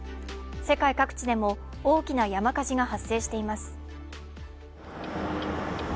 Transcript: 世界各地でも大きな山火事が発生しています。